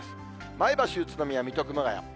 前橋、宇都宮、水戸、熊谷。